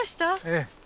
ええ。